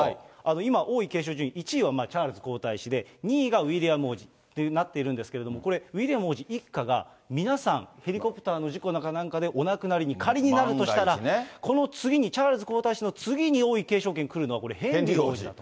今、王位継承順位、１位はチャールズ皇太子で、２位がウィリアム王子となっているんですけれども、ウィリアム王子一家が、皆さん、ヘリコプターの事故かなんかでお亡くなりに、仮になるとしたら、この次にチャールズ皇太子の次に王位継承権来るのはヘンリー王子だと。